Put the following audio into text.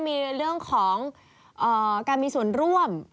มีเรื่องของการมีส่วนร่วม